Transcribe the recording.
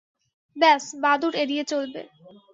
ব্যস বাদুড় এড়িয়ে চলবে।